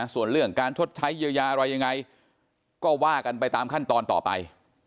ส่วนเรื่องการชดใช้เยียวยาอะไรยังไงก็ว่ากันไปตามขั้นตอนต่อไป